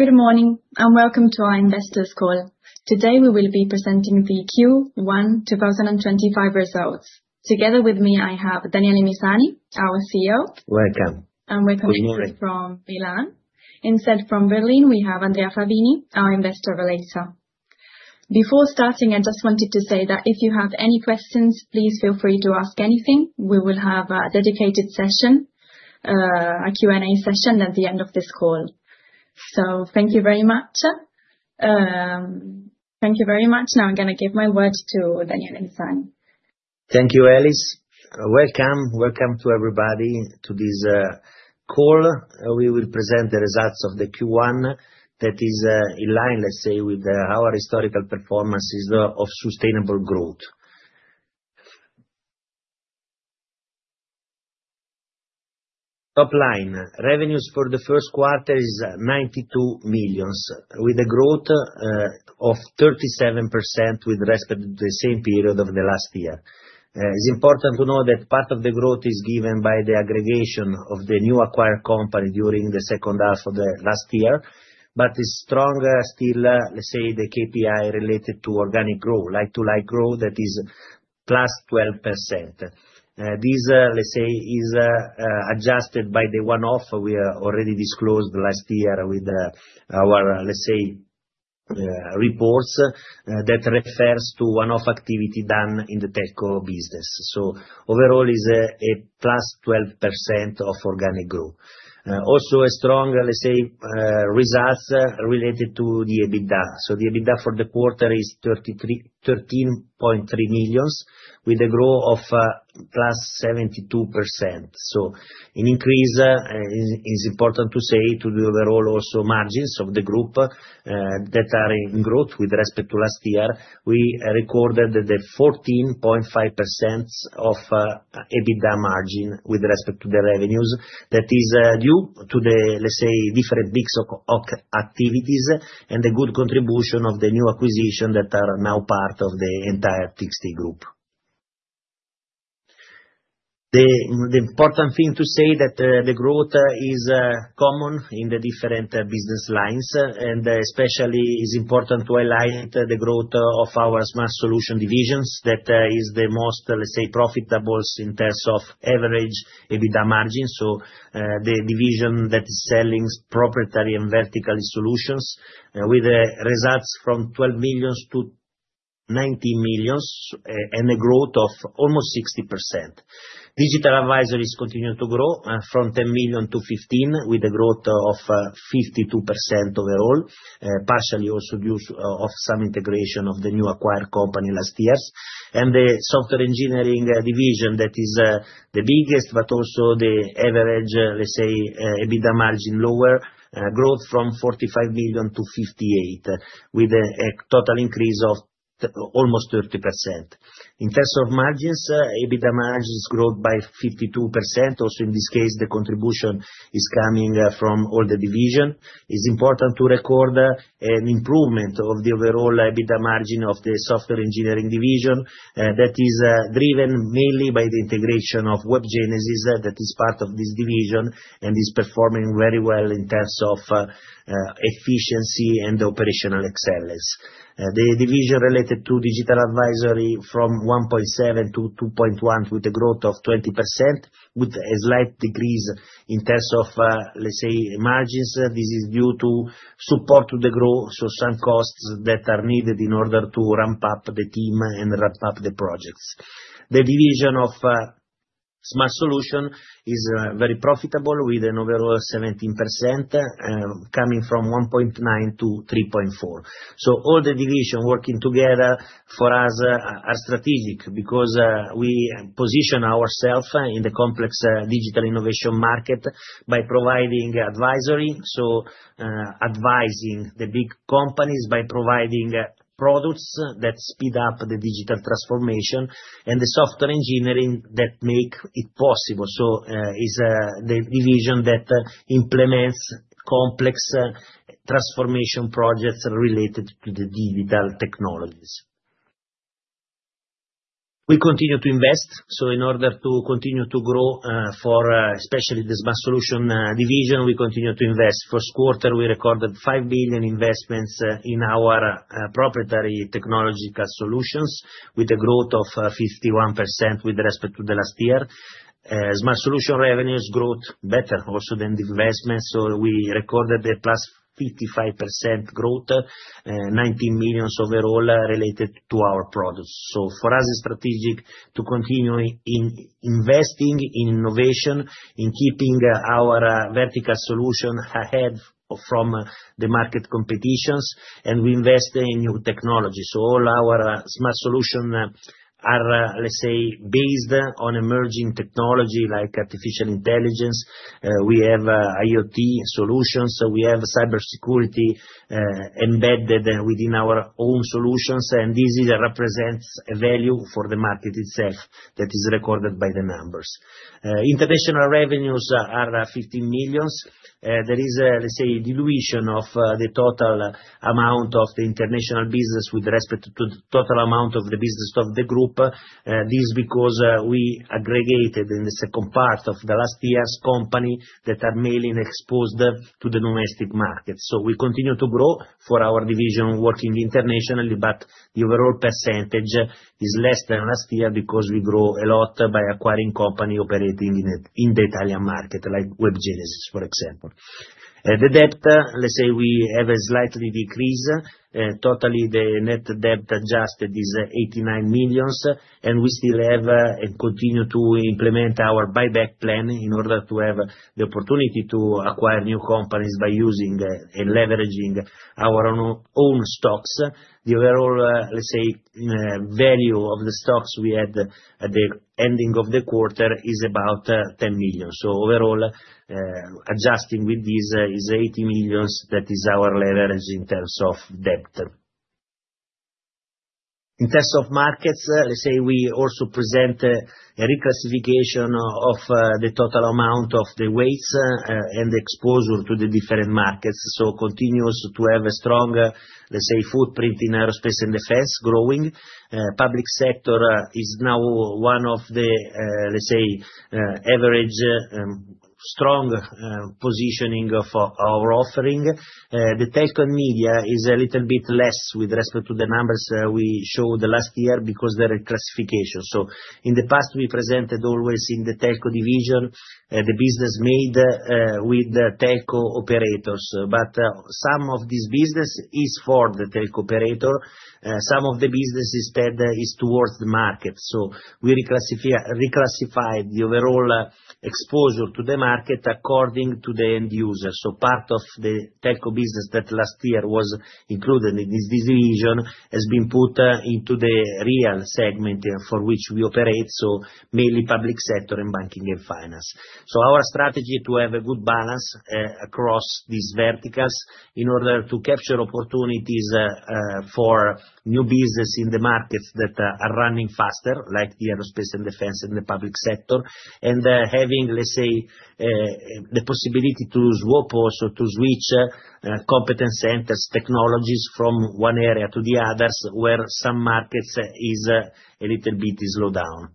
Good morning and welcome to our investors call. Today we will be presenting the Q1 2025 results. Together with me, I have Daniele Misani, our CEO. Welcome. We're coming to you from Milan. Instead, from Berlin, we have Andrea Favini, our investor relator. Before starting, I just wanted to say that if you have any questions, please feel free to ask anything. We will have a dedicated session, a Q&A session at the end of this call. Thank you very much. Now I'm going to give my word to Daniele Misani. Thank you, Ellis. Welcome, welcome to everybody to this call. We will present the results of the Q1 that is in line, let's say, with our historical performances of sustainable growth. Top line, revenues for the first quarter is 92 million, with a growth of 37% with respect to the same period of the last year. It's important to know that part of the growth is given by the aggregation of the new acquired company during the second half of the last year, but it's stronger still, let's say, the KPI related to organic growth, like-to-like growth that is +12%. This, let's say, is adjusted by the one-off we already disclosed last year with our, let's say, reports that refers to one-off activity done in the telco business. Overall, it's a +12% of organic growth. Also, a strong, let's say, results related to the EBITDA. The EBITDA for the quarter is 13.3 million, with a growth of +72%. An increase is important to say to the overall also margins of the group that are in growth with respect to last year. We recorded the 14.5% of EBITDA margin with respect to the revenues that is due to the, let's say, different mix of activities and the good contribution of the new acquisition that are now part of the entire TXT Group. The important thing to say is that the growth is common in the different business lines, and especially it's important to highlight the growth of our smart solution divisions that is the most, let's say, profitable in terms of average EBITDA margin. The division that is selling proprietary and vertical solutions with results from 12 million-19 million and a growth of almost 60%. Digital Advisors continue to grow from 10 million-15 million, with a growth of 52% overall, partially also due to some integration of the newly acquired company last years. The software engineering division, that is the biggest, but also the average, let's say, EBITDA margin lower, grows from 45 million-58 million, with a total increase of almost 30%. In terms of margins, EBITDA margins grow by 52%. Also, in this case, the contribution is coming from all the divisions. It's important to record an improvement of the overall EBITDA margin of the software engineering division that is driven mainly by the integration of WebGenesis that is part of this division and is performing very well in terms of efficiency and operational excellence. The division related to Digital Advisory from 1.7 million-2.1 million, with a growth of 20%, with a slight decrease in terms of, let's say, margins. This is due to support to the growth, so some costs that are needed in order to ramp up the team and ramp up the projects. The division of smart solutions is very profitable, with an overall 17% coming from 1.9 to 3.4. All the divisions working together for us are strategic because we position ourselves in the complex digital innovation market by providing advisory, so advising the big companies by providing products that speed up the digital transformation and the software engineering that makes it possible. It is the division that implements complex transformation projects related to the digital technologies. We continue to invest. In order to continue to grow, especially for the smart solutions division, we continue to invest. First quarter, we recorded 5 million investments in our proprietary technological solutions, with a growth of 51% with respect to the last year. Smart solution revenues growth better also than the investments. We recorded a +55% growth, 19 million overall related to our products. For us, it is strategic to continue investing in innovation, in keeping our vertical solution ahead from the market competitions, and we invest in new technologies. All our smart solutions are, let's say, based on emerging technology like artificial intelligence. We have IoT solutions. We have cybersecurity embedded within our own solutions, and this represents a value for the market itself that is recorded by the numbers. International revenues are 15 million. There is, let's say, a dilution of the total amount of the international business with respect to the total amount of the business of the group. This is because we aggregated in the second part of last year's company that are mainly exposed to the domestic market. We continue to grow for our division working internationally, but the overall percentage is less than last year because we grow a lot by acquiring company operating in the Italian market, like WebGenesis, for example. The debt, let's say, we have a slight decrease. Totally, the net debt adjusted is 89 million, and we still have and continue to implement our buyback plan in order to have the opportunity to acquire new companies by using and leveraging our own stocks. The overall, let's say, value of the stocks we had at the ending of the quarter is about 10 million. Overall, adjusting with this is 80 million. That is our leverage in terms of debt. In terms of markets, let's say, we also present a reclassification of the total amount of the weights and the exposure to the different markets. Continuous to have a strong, let's say, footprint in aerospace and defense growing. Public sector is now one of the, let's say, average strong positioning of our offering. The telco and media is a little bit less with respect to the numbers we showed last year because of the reclassification. In the past, we presented always in the telco division the business made with telco operators, but some of this business is for the telco operator. Some of the business instead is towards the market. We reclassified the overall exposure to the market according to the end user. Part of the telco business that last year was included in this division has been put into the real segment for which we operate, so mainly public sector and banking and finance. Our strategy is to have a good balance across these verticals in order to capture opportunities for new business in the markets that are running faster, like the aerospace and defense and the public sector, and having, let's say, the possibility to swap also to switch competence centers, technologies from one area to the others where some markets is a little bit slowed down.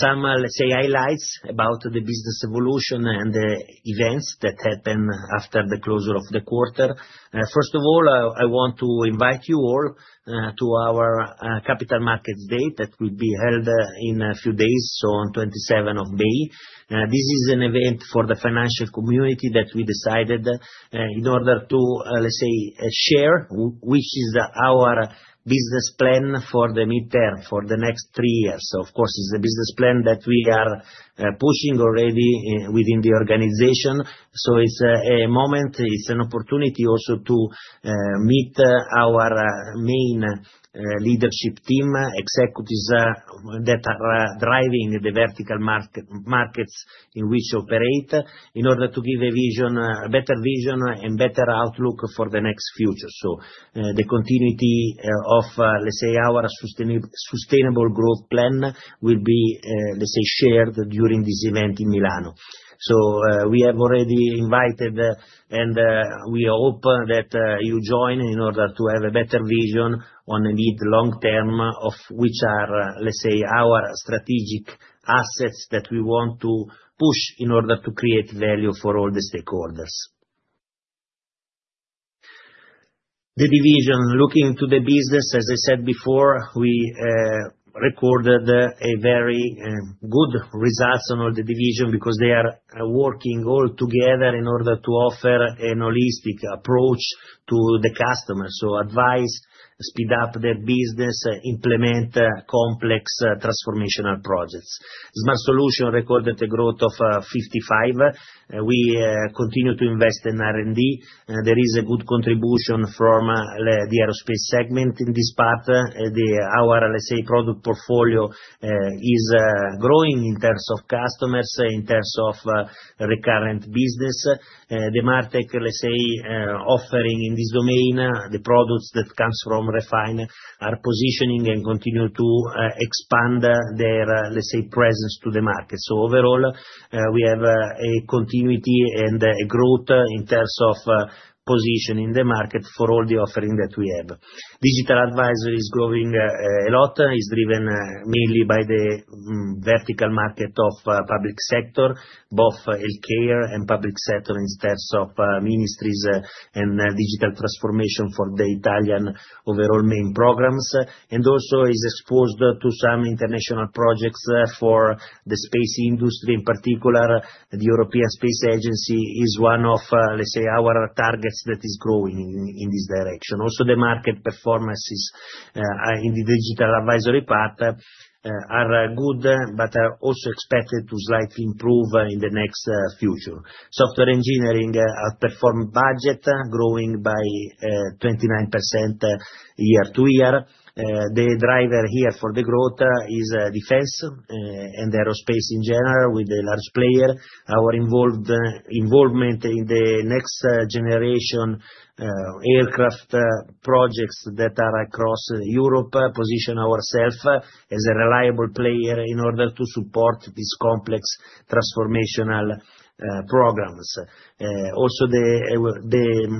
Some, let's say, highlights about the business evolution and the events that happen after the closure of the quarter. First of all, I want to invite you all to our Capital Markets Day that will be held in a few days, on 27th of May. This is an event for the financial community that we decided in order to, let's say, share which is our business plan for the midterm for the next three years. Of course, it's a business plan that we are pushing already within the organization. It's a moment, it's an opportunity also to meet our main leadership team, executives that are driving the vertical markets in which we operate in order to give a better vision and better outlook for the next future. The continuity of, let's say, our sustainable growth plan will be, let's say, shared during this event in Milan. We have already invited, and we hope that you join in order to have a better vision on the mid-long term of which are, let's say, our strategic assets that we want to push in order to create value for all the stakeholders. The division looking to the business, as I said before, we recorded a very good result on all the divisions because they are working all together in order to offer a holistic approach to the customer. Advice, speed up their business, implement complex transformational projects. Smart Solutions recorded a growth of 55%. We continue to invest in R&D. There is a good contribution from the aerospace segment in this part. Our, let's say, product portfolio is growing in terms of customers, in terms of recurrent business. The MarTech, let's say, offering in this domain, the products that come from Refine are positioning and continue to expand their, let's say, presence to the market. Overall, we have a continuity and a growth in terms of position in the market for all the offering that we have. Digital Advisors is growing a lot. It's driven mainly by the vertical market of public sector, both healthcare and public sector in terms of ministries and digital transformation for the Italian overall main programs. Also, it's exposed to some international projects for the space industry. In particular, the European Space Agency is one of, let's say, our targets that is growing in this direction. Also, the market performances in the digital advisory part are good, but are also expected to slightly improve in the next future. Software engineering outperformed budget, growing by 29% year-to-year. The driver here for the growth is defense and aerospace in general with a large player. Our involvement in the next generation aircraft projects that are across Europe positions ourselves as a reliable player in order to support these complex transformational programs. Also, the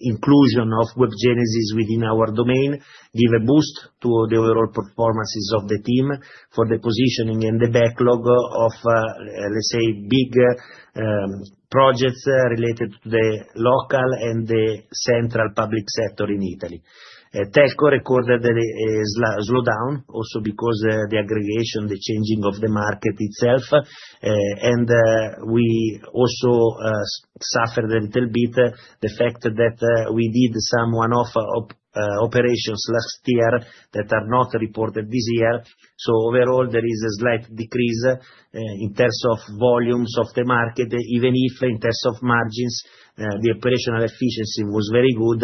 inclusion of WebGenesis within our domain gives a boost to the overall performances of the team for the positioning and the backlog of, let's say, big projects related to the local and the central public sector in Italy. Telco recorded a slowdown also because of the aggregation, the changing of the market itself, and we also suffered a little bit the fact that we did some one-off operations last year that are not reported this year. Overall, there is a slight decrease in terms of volumes of the market, even if in terms of margins, the operational efficiency was very good.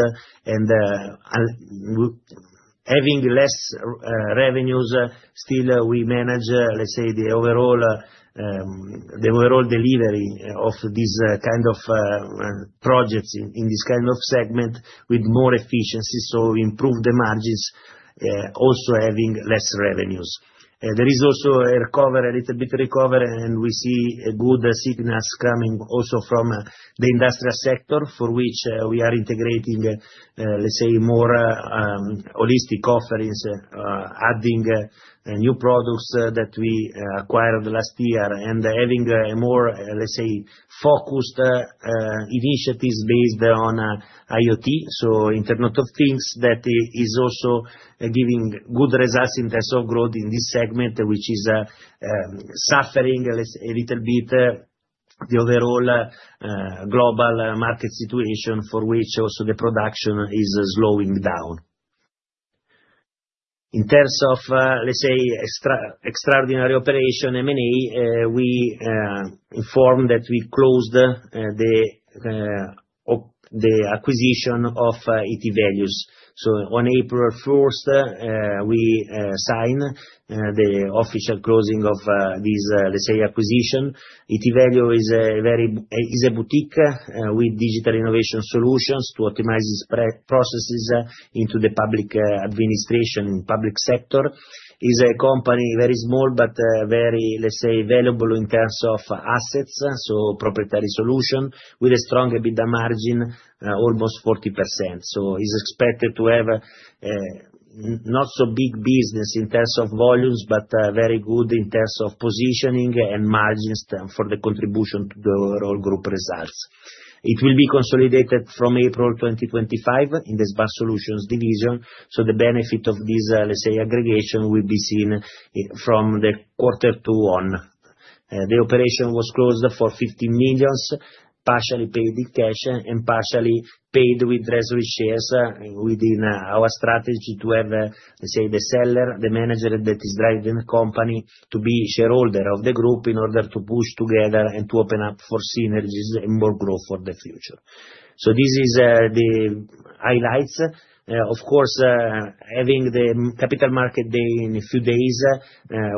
Having less revenues, still we manage, let's say, the overall delivery of these kind of projects in this kind of segment with more efficiency. We improve the margins, also having less revenues. There is also a recovery, a little bit recovery, and we see good signals coming also from the industrial sector for which we are integrating, let's say, more holistic offerings, adding new products that we acquired last year and having a more, let's say, focused initiatives based on IoT. IoT, that is also giving good results in terms of growth in this segment, which is suffering, let's say, a little bit the overall global market situation for which also the production is slowing down. In terms of, let's say, extraordinary operation M&A, we informed that we closed the acquisition of ET Value. On April 1st, we signed the official closing of this, let's say, acquisition. ET Value is a boutique with digital innovation solutions to optimize its processes into the public administration and public sector. It's a company very small, but very, let's say, valuable in terms of assets. So proprietary solution with a strong EBITDA margin, almost 40%. It's expected to have not so big business in terms of volumes, but very good in terms of positioning and margins for the contribution to the overall group results. It will be consolidated from April 2025 in the smart solutions division. The benefit of this, let's say, aggregation will be seen from the quarter to one. The operation was closed for 15 million, partially paid in cash and partially paid with treasury shares within our strategy to have, let's say, the seller, the manager that is driving the company to be shareholder of the group in order to push together and to open up for synergies and more growth for the future. This is the highlights. Of course, having the Capital Markets Day in a few days,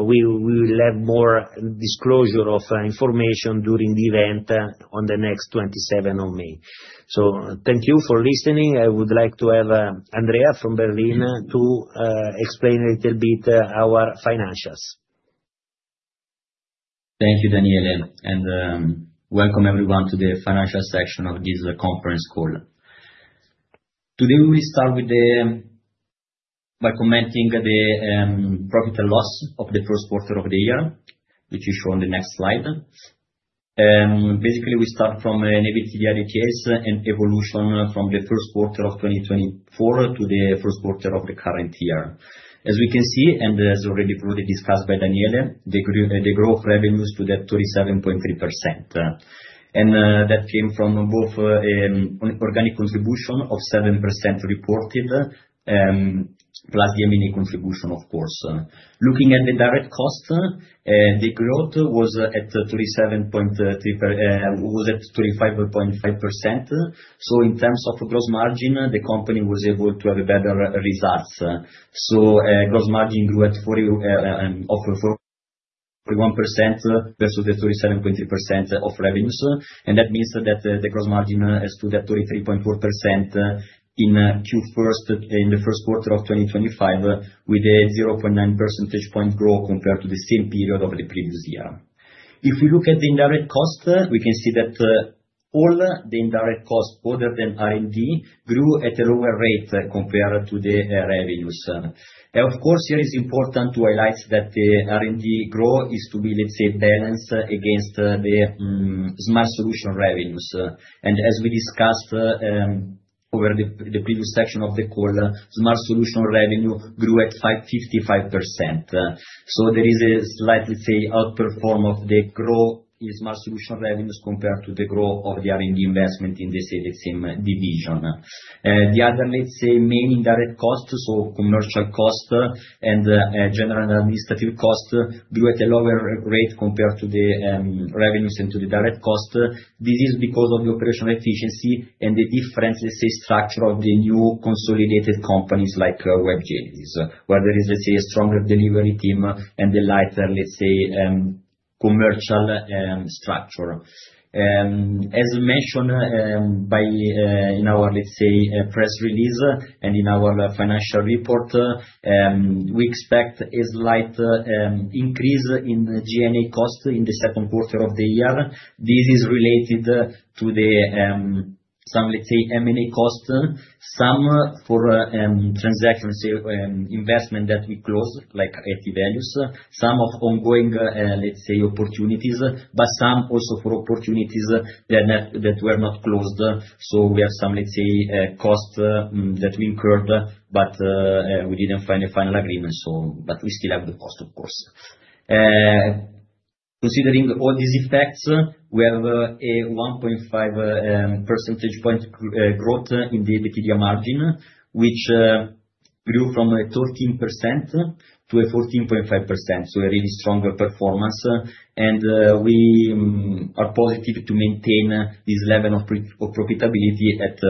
we will have more disclosure of information during the event on the next 27th of May. Thank you for listening. I would like to have Andrea from Berlin explain a little bit our financials. Thank you, Daniele, and welcome everyone to the financial section of this conference call. Today, we will start with commenting on the profit and loss of the first quarter of the year, which is shown on the next slide. Basically, we start from an EBITDA ETS and evolution from the first quarter of 2024 to the first quarter of the current year. As we can see, and as already briefly discussed by Daniele, the growth revenues to that 37.3%. That came from both an organic contribution of 7% reported plus the M&A contribution, of course. Looking at the direct cost, the growth was at 37.3%, was at 35.5%. In terms of gross margin, the company was able to have better results. Gross margin grew at 41% versus the 37.3% of revenues. That means that the gross margin is to that 33.4% in Q1 in the first quarter of 2025 with a 0.9 percentage point growth compared to the same period of the previous year. If we look at the indirect cost, we can see that all the indirect costs other than R&D grew at a lower rate compared to the revenues. Of course, here it is important to highlight that the R&D growth is to be, let's say, balanced against the smart solution revenues. As we discussed over the previous section of the call, smart solution revenue grew at 55%. There is a slight, let's say, outperform of the growth in smart solution revenues compared to the growth of the R&D investment in the same division. The other, let's say, main indirect costs, so commercial cost and general administrative cost, grew at a lower rate compared to the revenues and to the direct cost. This is because of the operational efficiency and the difference, let's say, structure of the new consolidated companies like WebGenesis, where there is, let's say, a stronger delivery team and a lighter, let's say, commercial structure. As mentioned in our, let's say, press release and in our financial report, we expect a slight increase in G&A cost in the second quarter of the year. This is related to some, let's say, M&A cost, some for transactions, investment that we closed, like ET Value, some of ongoing, let's say, opportunities, but some also for opportunities that were not closed. So we have some, let's say, cost that we incurred, but we did not find a final agreement, but we still have the cost, of course. Considering all these effects, we have a 1.5 percentage point growth in the EBITDA margin, which grew from 13%-14.5%. A really strong performance. We are positive to maintain this level of profitability at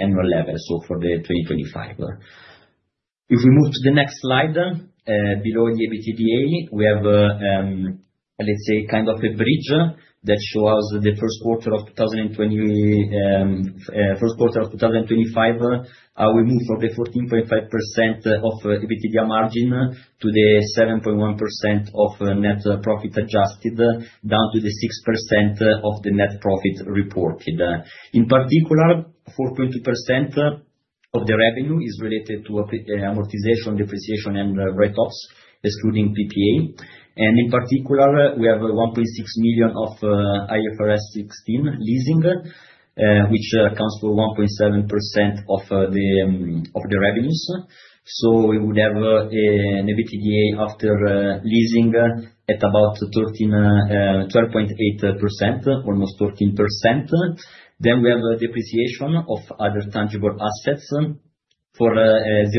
annual level for 2025. If we move to the next slide, below the EBITDA, we have, let's say, kind of a bridge that shows the first quarter of 2025. We moved from the 14.5% of EBITDA margin to the 7.1% of net profit adjusted, down to the 6% of the net profit reported. In particular, 4.2% of the revenue is related to amortization, depreciation, and write-offs, excluding PPA. In particular, we have 1.6 million of IFRS 16 leasing, which accounts for 1.7% of the revenues. We would have an EBITDA after leasing at about 12.8%, almost 13%. We have depreciation of other tangible assets for 0.6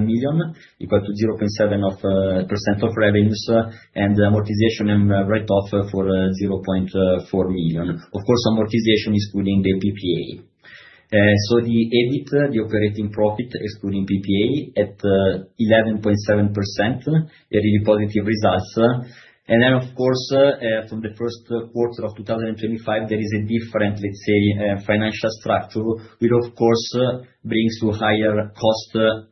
million, equal to 0.7% of revenues, and amortization and write-off for 0.4 million. Of course, amortization excluding the PPA. The EBIT, the operating profit, excluding PPA, at 11.7%, a really positive result. Of course, from the first quarter of 2025, there is a different, let's say, financial structure, which, of course, brings to higher cost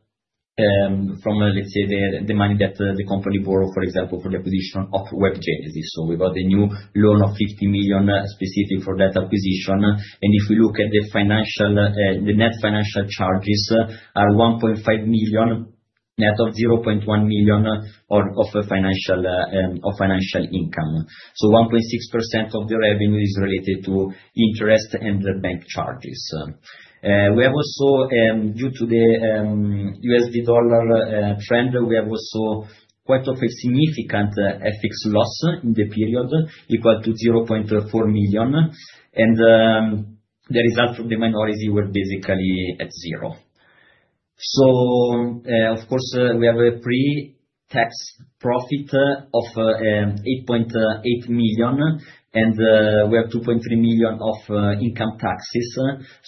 from, let's say, the money that the company borrowed, for example, for the acquisition of WebGenesis. We got a new loan of 50 million specifically for that acquisition. If we look at the net financial charges, they are 1.5 million net of 0.1 million of financial income. 1.6% of the revenue is related to interest and bank charges. We have also, due to the USD trend, quite a significant FX loss in the period, equal to 0.4 million. The result from the minority was basically at zero. We have a pre-tax profit of 8.8 million, and we have 2.3 million of income taxes.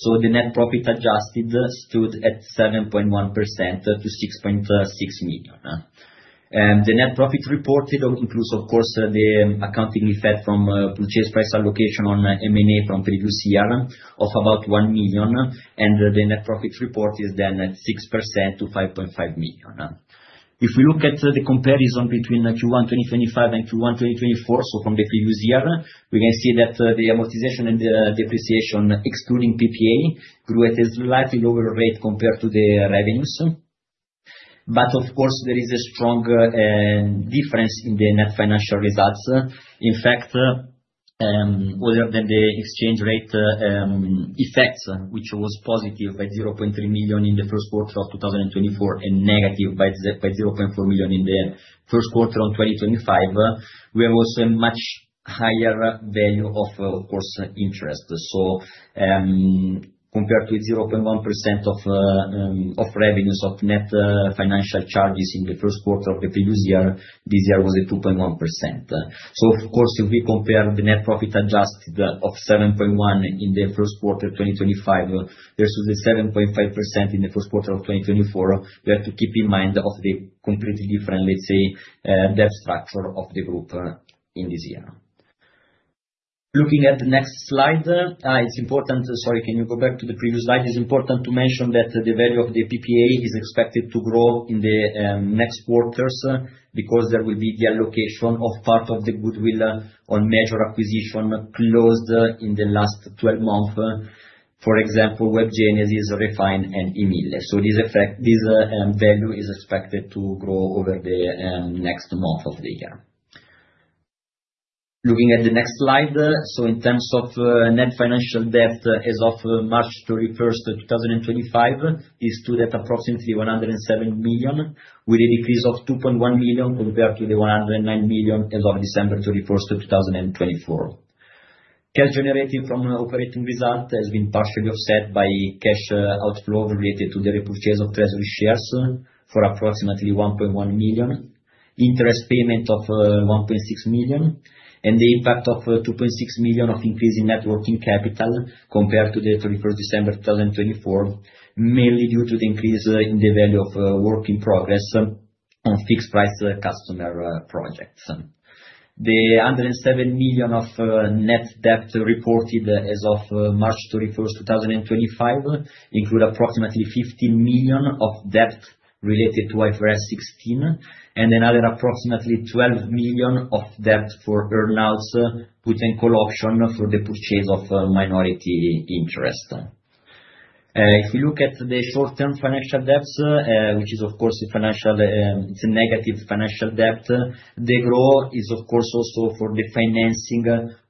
The net profit adjusted stood at 7.1% to 6.6 million. The net profit reported includes, of course, the accounting effect from purchase price allocation on M&A from previous year of about 1 million. The net profit report is then at 6% to 5.5 million. If we look at the comparison between Q1 2025 and Q1 2024, so from the previous year, we can see that the amortization and depreciation, excluding PPA, grew at a slightly lower rate compared to the revenues. Of course, there is a strong difference in the net financial results. In fact, other than the exchange rate effects, which was positive at 0.3 million in the first quarter of 2024 and negative by 0.4 million in the first quarter of 2025, we have also a much higher value of, of course, interest. Compared to 0.1% of revenues of net financial charges in the first quarter of the previous year, this year was at 2.1%. Of course, if we compare the net profit adjusted of 7.1 million in the first quarter of 2025 versus the 7.5% in the first quarter of 2024, we have to keep in mind the completely different, let's say, debt structure of the group in this year. Looking at the next slide, it's important—sorry, can you go back to the previous slide? It's important to mention that the value of the PPA is expected to grow in the next quarters because there will be the allocation of part of the goodwill on major acquisition closed in the last 12 months, for example, WebGenesis, Refine, and Emil. This value is expected to grow over the next months of the year. Looking at the next slide, in terms of net financial debt as of March 31, 2025, it stood at approximately 107 million, with a decrease of 2.1 million compared to the 109 million as of December 31st, 2024. Cash generated from operating result has been partially offset by cash outflow related to the repurchase of treasury shares for approximately 1.1 million, interest payment of 1.6 million, and the impact of 2.6 million of increasing net working capital compared to the 31st of December 2024, mainly due to the increase in the value of work in progress on fixed price customer projects. The 107 million of net debt reported as of March 31st, 2025, include approximately 15 million of debt related to IFRS 16, and another approximately 12 million of debt for earnouts put in co-option for the purchase of minority interest. If we look at the short-term financial debt, which is, of course, a negative financial debt, the growth is, of course, also for the financing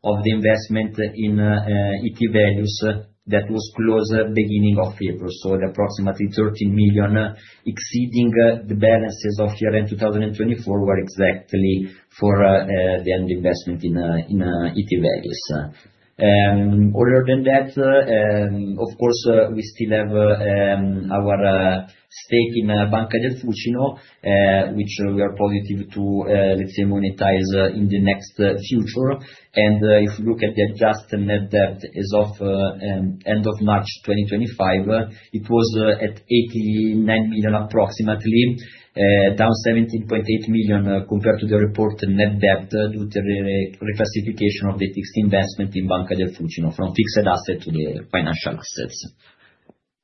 of the investment in ET Value that was closed at the beginning of April. The approximately 13 million exceeding the balances of year-end 2024 were exactly for the end investment in ET Value. Other than that, of course, we still have our stake in Banca del Fucino, which we are positive to, let's say, monetize in the next future. If we look at the adjusted net debt as of end of March 2025, it was at 89 million approximately, down 17.8 million compared to the reported net debt due to the reclassification of the fixed investment in Banca del Fucino from fixed asset to the financial assets.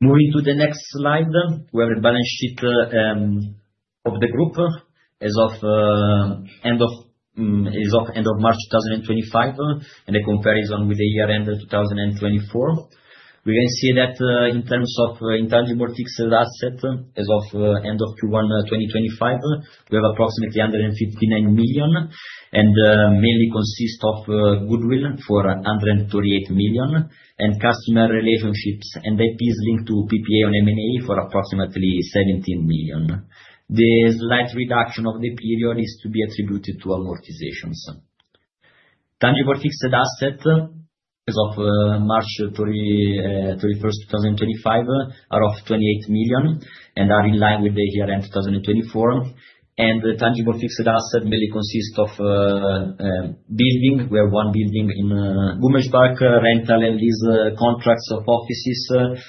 Moving to the next slide, we have a balance sheet of the group as of end of March 2025 and a comparison with the year-end 2024. We can see that in terms of intangible fixed asset as of end of Q1 2025, we have approximately 159 million and mainly consist of goodwill for 138 million and customer relationships and IPs linked to PPA on M&A for approximately 17 million. The slight reduction of the period is to be attributed to amortizations. Tangible fixed asset as of March 31st, 2025, are of 28 million and are in line with the year-end 2024. Tangible fixed asset mainly consists of building. We have one building in Boomers Park, rental and lease contracts of offices,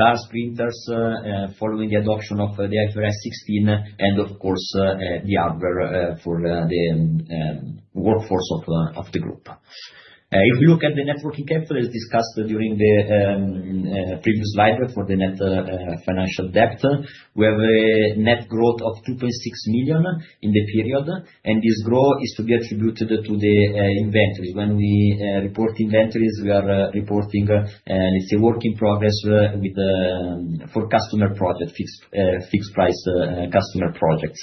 cars, printers following the adoption of the IFRS 16, and of course, the hardware for the workforce of the group. If we look at the net working capital as discussed during the previous slide for the net financial debt, we have a net growth of 2.6 million in the period, and this growth is to be attributed to the inventories. When we report inventories, we are reporting, let's say, work in progress for customer projects, fixed price customer projects.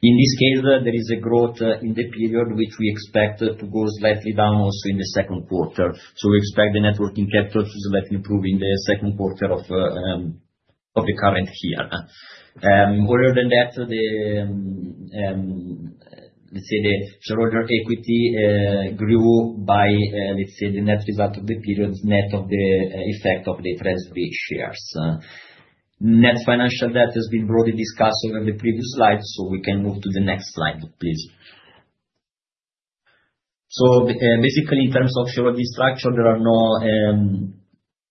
In this case, there is a growth in the period, which we expect to go slightly down also in the second quarter. We expect the net working capital to slightly improve in the second quarter of the current year. Other than that, let's say the shareholder equity grew by, let's say, the net result of the period, net of the effect of the treasury shares. Net financial debt has been broadly discussed over the previous slide, so we can move to the next slide, please. Basically, in terms of shareholding structure, there are no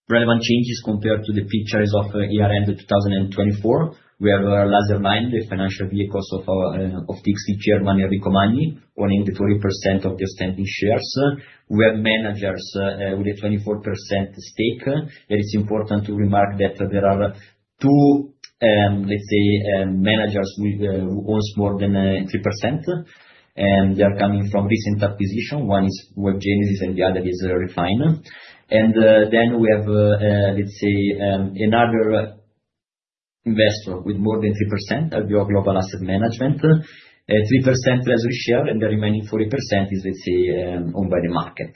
relevant changes compared to the picture at year-end 2024. We have Lazermind, the financial vehicle of the ex-Chairman, Enrico i, owning 20% of the outstanding shares. We have managers with a 24% stake. It's important to remark that there are two, let's say, managers who own more than 3%, and they are coming from recent acquisition. One is WebGenesis and the other is Refine. Then we have, let's say, another investor with more than 3%, Aldeo Global Asset Management, 3% treasury share, and the remaining 40% is, let's say, owned by the market.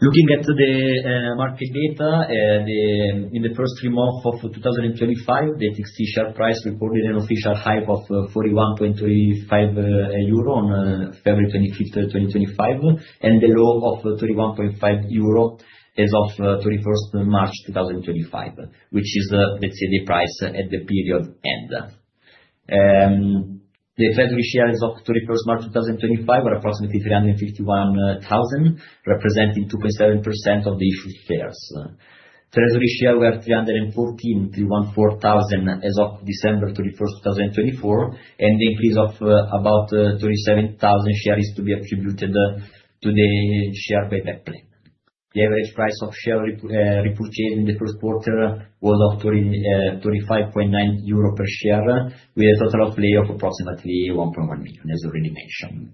Looking at the market data, in the first three months of 2025, the TXT share price recorded an official high of 41.35 euro on February 25th, 2025, and the low of 31.5 euro as of 31st March 2025, which is, let's say, the price at the period end. The treasury share as of 31st March 2025 are approximately 351,000, representing 2.7% of the issued shares. Treasury share were 314,000 as of December 31st, 2024, and the increase of about 37,000 shares is to be attributed to the share payback plan. The average price of share repurchase in the first quarter was 35.9 euro per share, with a total outlay of approximately 1.1 million, as already mentioned.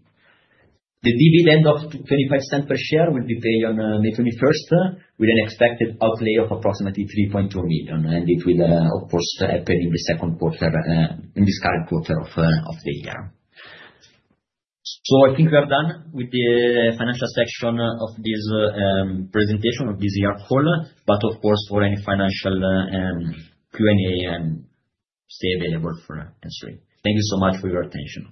The dividend of 0.25 per share will be paid on May 21st, with an expected outlay of approximately €3.2 million, and it will, of course, happen in the second quarter, in this current quarter of the year. I think we are done with the financial section of this presentation of this year call, but of course, for any financial Q&A, stay available for answering. Thank you so much for your attention.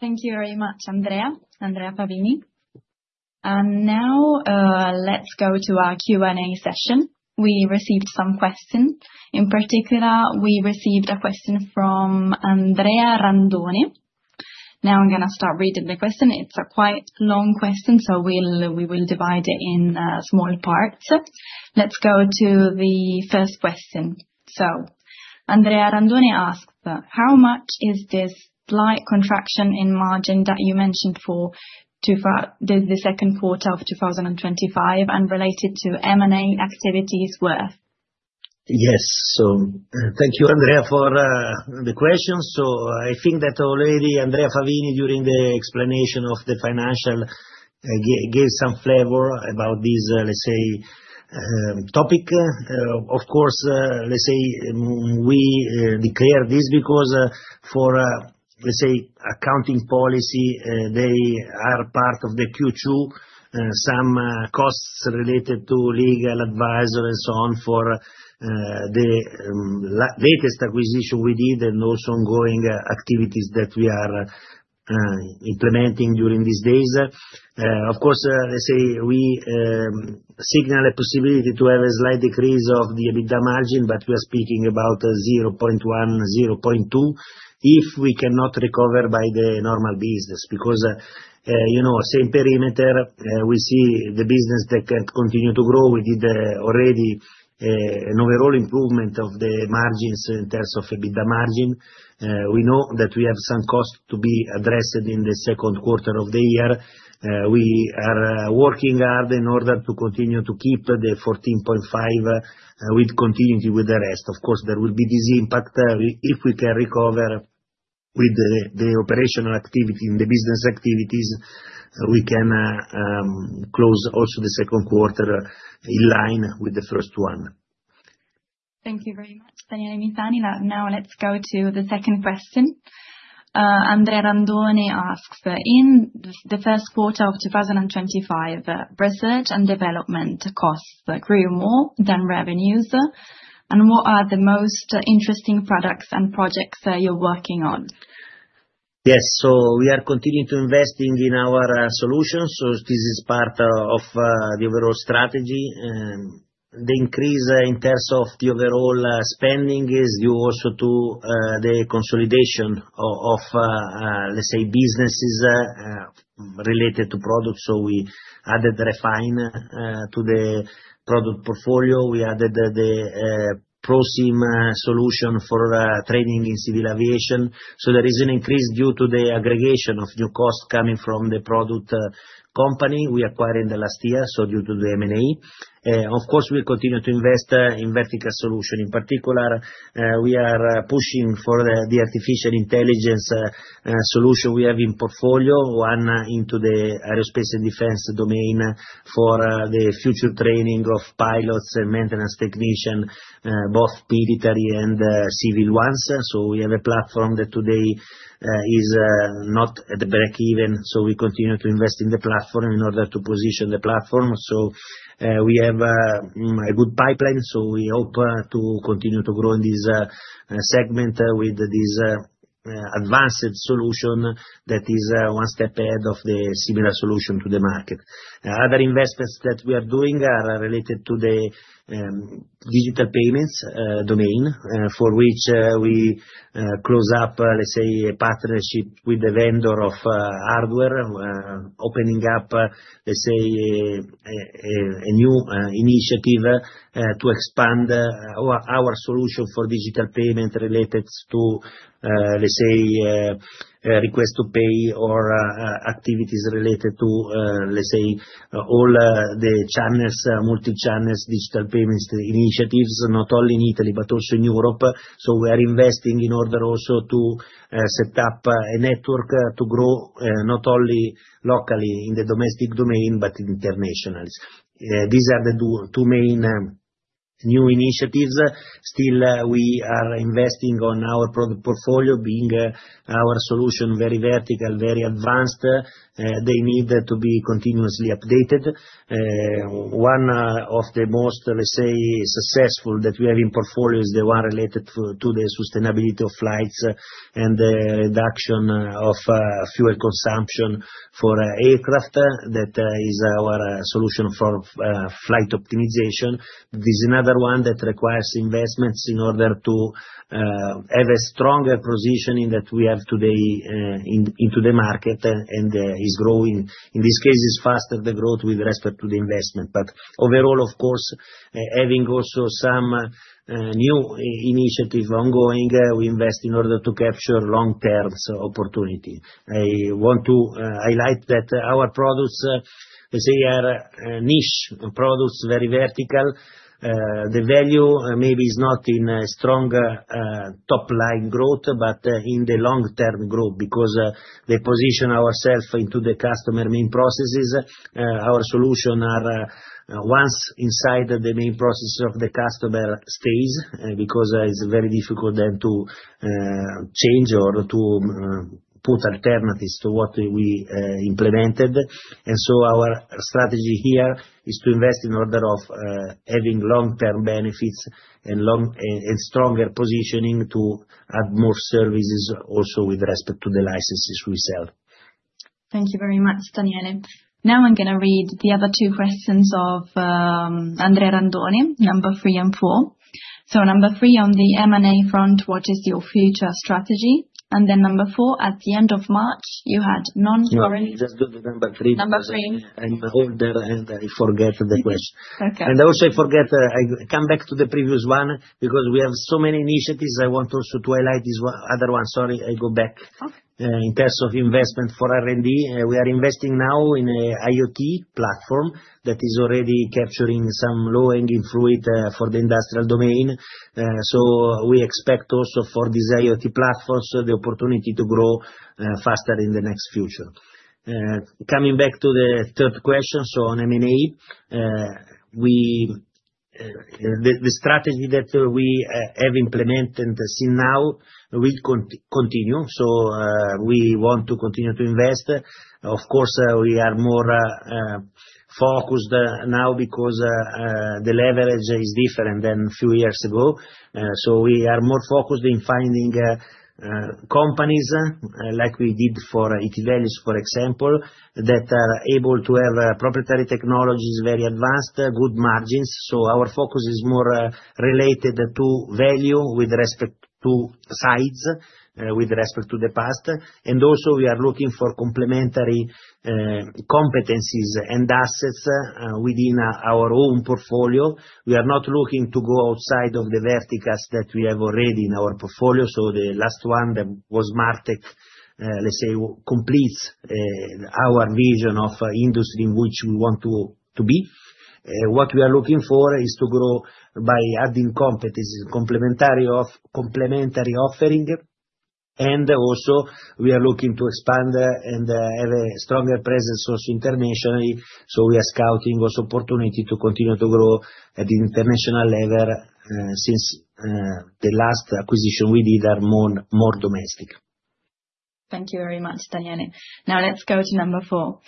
Thank you very much, Andrea, Andrea Favini. Now let's go to our Q&A session. We received some questions. In particular, we received a question from Andrea Randoni. Now I'm going to start reading the question. It's a quite long question, so we will divide it in small parts. Let's go to the first question. Andrea Randoni asks, how much is this slight contraction in margin that you mentioned for the second quarter of 2025 and related to M&A activities worth? Yes. Thank you, Andrea, for the question. I think that already Andrea Favini, during the explanation of the financial, gave some flavor about this, let's say, topic. Of course, we declare this because for, let's say, accounting policy, they are part of the Q2, some costs related to legal advisor and so on for the latest acquisition we did and also ongoing activities that we are implementing during these days. Of course, we signal a possibility to have a slight decrease of the EBITDA margin, but we are speaking about 0.1%-0.2% if we cannot recover by the normal business. Because same perimeter, we see the business that can continue to grow. We did already an overall improvement of the margins in terms of EBITDA margin. We know that we have some cost to be addressed in the second quarter of the year. We are working hard in order to continue to keep the 14.5% with continuity with the rest. Of course, there will be this impact. If we can recover with the operational activity and the business activities, we can close also the second quarter in line with the first one. Thank you very much, Daniele Misani. Now let's go to the second question. Andrea Randoni asks, in the first quarter of 2025, research and development costs grew more than revenues. And what are the most interesting products and projects you're working on? Yes. We are continuing to invest in our solutions. This is part of the overall strategy. The increase in terms of the overall spending is due also to the consolidation of, let's say, businesses related to products. We added Refine to the product portfolio. We added the ProSim solution for training in civil aviation. There is an increase due to the aggregation of new costs coming from the product company we acquired in the last year, due to the M&A. Of course, we continue to invest in vertical solutions. In particular, we are pushing for the artificial intelligence solution we have in portfolio, one into the aerospace and defense domain for the future training of pilots and maintenance technicians, both military and civil ones. We have a platform that today is not at the break even. We continue to invest in the platform in order to position the platform. We have a good pipeline. We hope to continue to grow in this segment with this advanced solution that is one step ahead of the similar solution in the market. Other investments that we are doing are related to the digital payments domain, for which we closed, let's say, a partnership with the vendor of hardware, opening up, let's say, a new initiative to expand our solution for digital payment related to, let's say, request to pay or activities related to, let's say, all the channels, multi-channel digital payments initiatives, not only in Italy, but also in Europe. We are investing in order also to set up a network to grow not only locally in the domestic domain, but internationally. These are the two main new initiatives. Still, we are investing in our product portfolio, being our solution very vertical, very advanced. They need to be continuously updated. One of the most, let's say, successful that we have in portfolio is the one related to the sustainability of flights and the reduction of fuel consumption for aircraft. That is our solution for flight optimization. There's another one that requires investments in order to have a stronger positioning that we have today into the market and is growing. In this case, it's faster the growth with respect to the investment. Overall, of course, having also some new initiative ongoing, we invest in order to capture long-term opportunity. I want to highlight that our products, let's say, are niche products, very vertical. The value maybe is not in stronger top-line growth, but in the long-term growth because they position ourselves into the customer main processes. Our solution, once inside the main process of the customer, stays because it's very difficult then to change or to put alternatives to what we implemented. Our strategy here is to invest in order of having long-term benefits and stronger positioning to add more services also with respect to the licenses we sell. Thank you very much, Daniele. Now I'm going to read the other two questions of Andrea Randoni, number three and four. Number three, on the M&A front, what is your future strategy? Number four, at the end of March, you had non-Sorry. Just do the number three. Number three. I'm holding and I forget the question. I will say forget, I come back to the previous one because we have so many initiatives. I want also to highlight this other one. Sorry, I go back. In terms of investment for R&D, we are investing now in an IoT platform that is already capturing some low-hanging fruit for the industrial domain. We expect also for these IoT platforms the opportunity to grow faster in the next future. Coming back to the third question, on M&A, the strategy that we have implemented since now, we continue. We want to continue to invest. Of course, we are more focused now because the leverage is different than a few years ago. We are more focused in finding companies like we did for ET Value, for example, that are able to have proprietary technologies, very advanced, good margins. Our focus is more related to value with respect to size with respect to the past. We are also looking for complementary competencies and assets within our own portfolio. We are not looking to go outside of the verticals that we have already in our portfolio. The last one that was MarTech, let's say, completes our vision of industry in which we want to be. What we are looking for is to grow by adding complementary offering. We are looking to expand and have a stronger presence also internationally. We are scouting also opportunity to continue to grow at the international level since the last acquisition we did are more domestic. Thank you very much, Daniele. Now let's go to number four.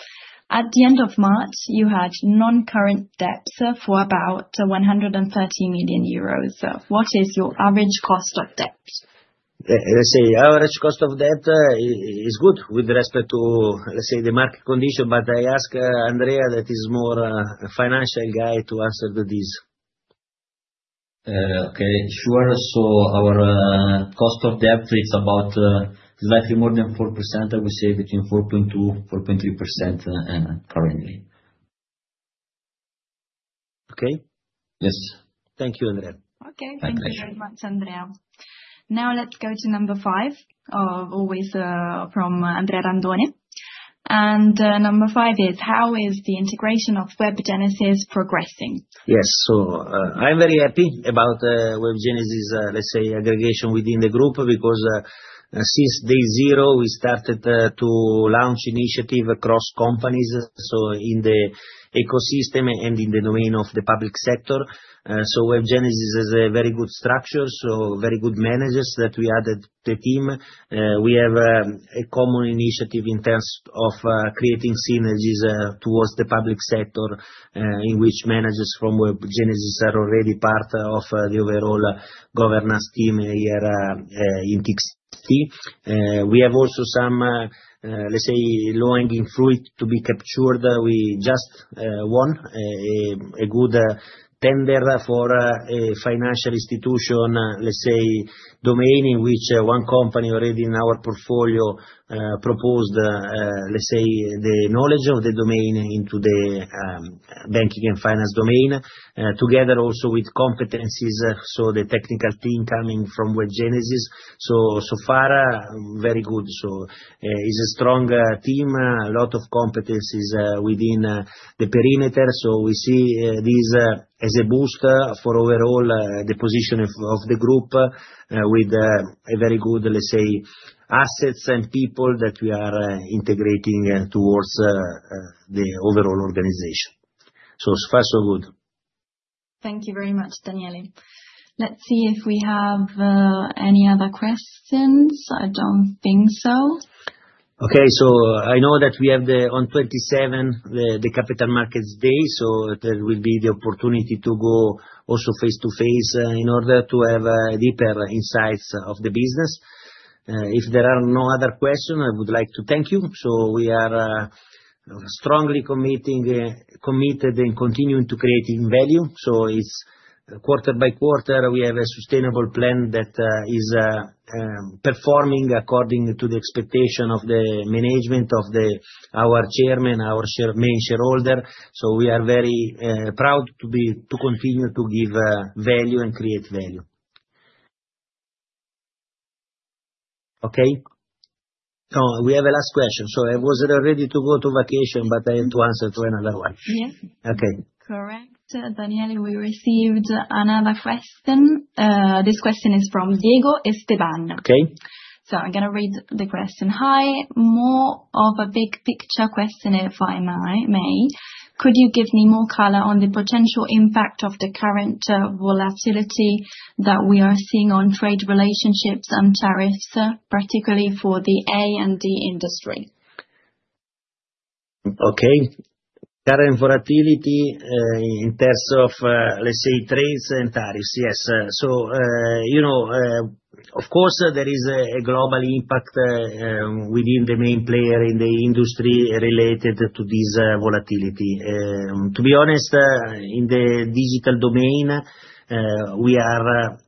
At the end of March, you had non-current debts for about 130 million euros. What is your average cost of debt? Let's say average cost of debt is good with respect to, let's say, the market condition, but I ask Andrea that is more financial guy to answer this. Okay. Sure. Our cost of debt, it's about slightly more than 4%, I would say between 4.2%-4.3% currently. Okay. Yes. Thank you, Andrea. Okay. Thank you very much, Andrea. Now let's go to number five, always from Andrea Randoni. Number five is, how is the integration of WebGenesis progressing? Yes. I am very happy about WebGenesis, let's say, aggregation within the group because since day zero, we started to launch initiative across companies, in the ecosystem and in the domain of the public sector. WebGenesis has a very good structure, very good managers that we added to the team. We have a common initiative in terms of creating synergies towards the public sector in which managers from WebGenesis are already part of the overall governance team here in TXT. We have also some, let's say, low-hanging fruit to be captured. We just won a good tender for a financial institution, let's say, domain in which one company already in our portfolio proposed, let's say, the knowledge of the domain into the banking and finance domain together also with competencies. The technical team coming from WebGenesis, so far, very good. It is a strong team, a lot of competencies within the perimeter. We see this as a boost for overall the position of the group with very good, let's say, assets and people that we are integrating towards the overall organization. So far, so good. Thank you very much, Daniele. Let's see if we have any other questions. I don't think so. I know that we have the on 27, the Capital Markets Day. There will be the opportunity to go also face-to-face in order to have deeper insights of the business. If there are no other questions, I would like to thank you. We are strongly committed and continuing to create value. It is quarter by quarter, we have a sustainable plan that is performing according to the expectation of the management of our Chairman, our main shareholder. We are very proud to continue to give value and create value. Okay. No, we have a last question. I was ready to go to vacation, but I have to answer to another one. Yeah. Okay. Correct. Daniele, we received another question. This question is from Diego Esteban. Okay. I am going to read the question. Hi, more of a big picture question, if I may. Could you give me more color on the potential impact of the current volatility that we are seeing on trade relationships and tariffs, particularly for the A and D industry? Okay. Current volatility in terms of, let's say, trades and tariffs, yes. Of course, there is a global impact within the main player in the industry related to this volatility. To be honest, in the digital domain, we are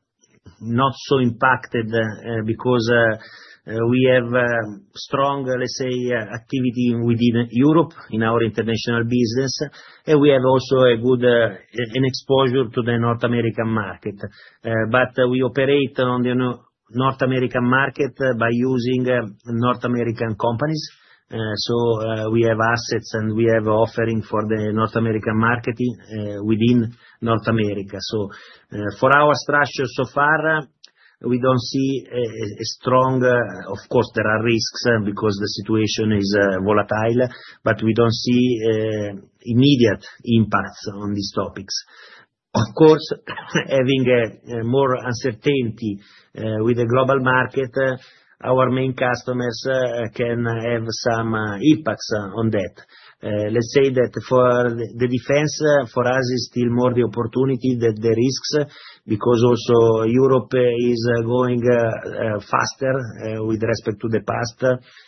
not so impacted because we have strong, let's say, activity within Europe in our international business. We have also a good exposure to the North American market. We operate on the North American market by using North American companies. We have assets and we have offering for the North American market within North America. For our structure so far, we don't see a strong, of course, there are risks because the situation is volatile, but we don't see immediate impacts on these topics. Of course, having more uncertainty with the global market, our main customers can have some impacts on that. Let's say that for the defense, for us, it's still more the opportunity than the risks because also Europe is going faster with respect to the past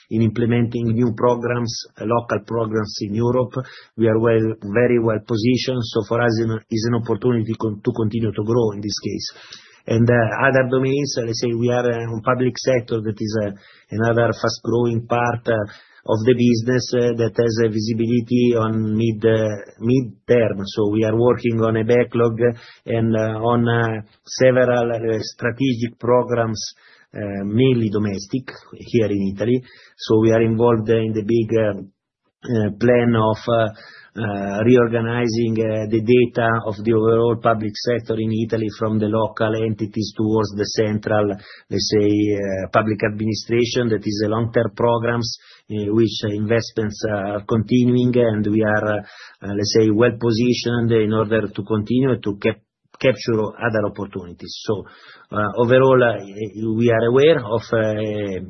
in implementing new programs, local programs in Europe. We are very well positioned. For us, it's an opportunity to continue to grow in this case. In other domains, let's say we are in public sector, that is another fast-growing part of the business that has visibility on mid-term. We are working on a backlog and on several strategic programs, mainly domestic here in Italy. We are involved in the big plan of reorganizing the data of the overall public sector in Italy from the local entities towards the central, let's say, public administration that is a long-term program in which investments are continuing. We are, let's say, well positioned in order to continue to capture other opportunities. Overall, we are aware of a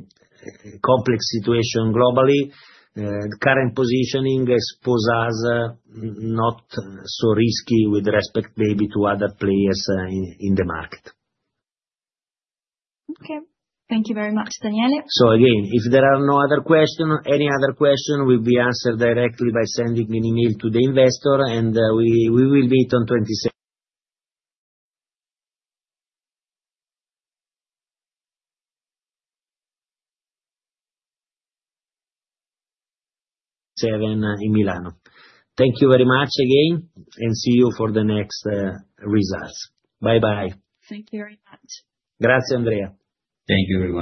complex situation globally. Current positioning exposes us not so risky with respect maybe to other players in the market. Okay. Thank you very much, Daniele. If there are no other questions, any other question will be answered directly by sending an email to the investor. We will meet on 27 in Milan. Thank you very much again, and see you for the next results. Bye-bye. Thank you very much. Grazie, Andrea. Thank you everyone.